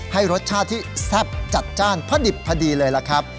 ให้รสชาติที่แซ่บจัดจ้านพระดิบพอดีเลยล่ะครับ